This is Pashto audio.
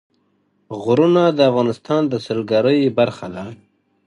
غرونه د افغانستان د سیلګرۍ برخه ده.